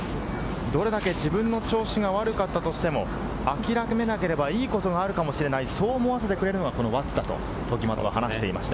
どれだけ自分の調子が悪かったとしても、諦めなければいいことがあるかもしれない、そう思わせてくれるのが、この輪厚だと時松は話していました。